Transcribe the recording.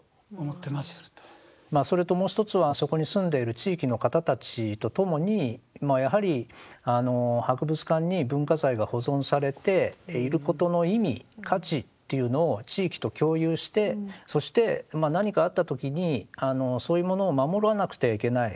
それともう一つはそこに住んでいる地域の方たちと共にやはり博物館に文化財が保存されていることの意味価値っていうのを地域と共有してそして何かあった時にそういうものを守らなくてはいけない。